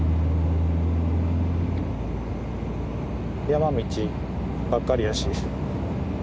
山道ばっかりやし。